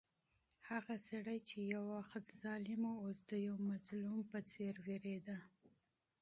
هغه سړی چې یو وخت ظالم و، اوس د یو مظلوم په څېر وېرېده.